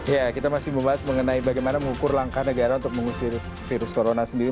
ya kita masih membahas mengenai bagaimana mengukur langkah negara untuk mengusir virus corona sendiri